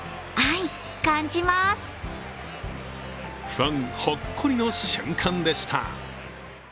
ファン、ほっこりの瞬間でした。